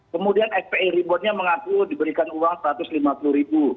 kemudian fpi reborn nya mengaku diberikan uang rp satu ratus lima puluh